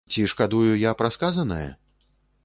Ці шкадую я пра сказанае?